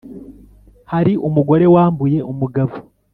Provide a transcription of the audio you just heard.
hari umugore wambuye umugabo